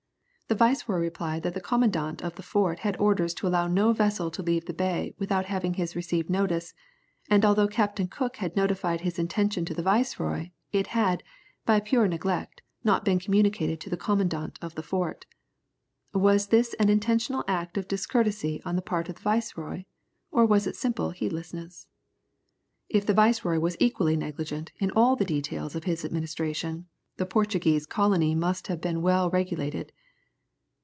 The viceroy replied that the commandant of the Fort had orders to allow no vessel to leave the bay without his having received notice, and although Captain Cook had notified his intention to the viceroy, it had, by pure neglect, not been communicated to the Commandant of the Fort. Was this an intentional act of discourtesy on the part of the viceroy? or was it simple heedlessness? If the viceroy was equally negligent in all the details of his administration, the Portuguese colony must have been well regulated!